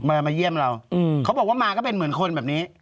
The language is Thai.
มามาเยี่ยมเราเขาบอกว่ามาก็เป็นเหมือนคนแบบนี้